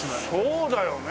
そうだよね！